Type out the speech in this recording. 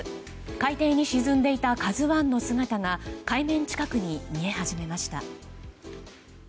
海底に沈んでいた「ＫＡＺＵ１」の姿が海面近くに見え始めました。